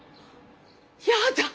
やだ！